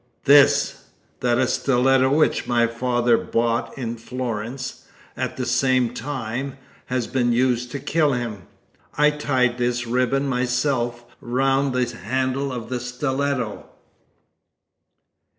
"This: that a stiletto which my father bought in Florence, at the same time, has been used to kill him! I tied this ribbon myself round the handle of the stiletto!"